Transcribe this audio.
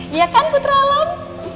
iya kan putra alam